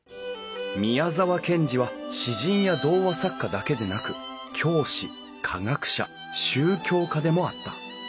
宮沢賢治は詩人や童話作家だけでなく教師科学者宗教家でもあった。